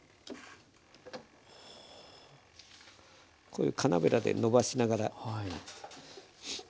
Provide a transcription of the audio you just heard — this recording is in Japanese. こういう金ベラでのばしながら。